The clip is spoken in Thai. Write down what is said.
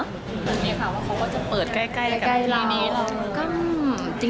มีคำว่าเขาก็จะเปิดใกล้กับพี่นี้แล้ว